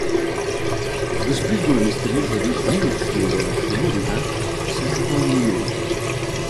Després d'una misteriosa disminució de la sonoritat s'acaba el moviment.